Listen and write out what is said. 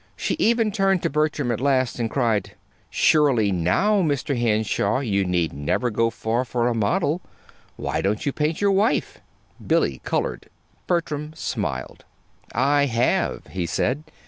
She even turned to Bertram at last, and cried: "Surely, now, Mr. Henshaw, you need never go far for a model! Why don't you paint your wife?" Billy colored. Bertram smiled. "I have," he said.